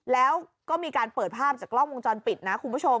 แล้วก็มีการเปิดภาพจากกล้องวงจรปิดนะคุณผู้ชม